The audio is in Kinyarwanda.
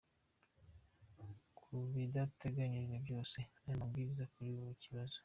"Ku bidateganyijwe byose n’aya mabwiriza, kuri buri kibazo.